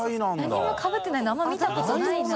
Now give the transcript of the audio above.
何もかぶってないのあんまり見たことないな。